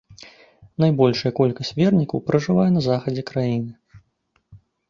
Найбольшая колькасць вернікаў пражывае на захадзе краіны.